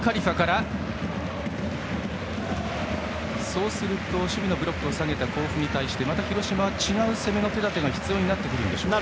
そうすると守備のブロックを下げた甲府に対してまた広島は違う攻めの手立てが必要になるでしょうか。